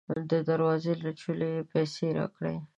د دروازې له چولې یې پیسې راکړې.